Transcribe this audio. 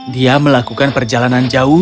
dia melakukan perjalanan jauh